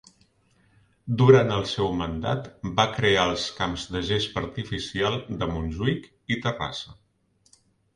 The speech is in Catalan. Durant el seu mandat va crear els camps de gespa artificial de Montjuïc i Terrassa.